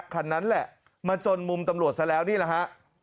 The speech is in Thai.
คันนั้นแหละมาจนมุมตำรวจซะแล้วนี่แหละฮะ